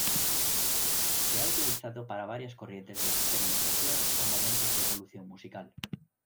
Se ha utilizado para varias corrientes de experimentación o momentos de evolución musical.